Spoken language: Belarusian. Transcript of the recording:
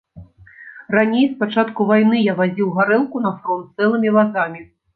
Раней, з пачатку вайны, я вазіў гарэлку на фронт цэлымі вазамі.